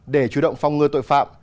để chủ động phòng ngừa tội phạm